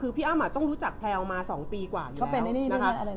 คือพี่อ้ำอ่ะต้องรู้จักแพลล์ออกมา๒ปีกว่าอยู่แล้ว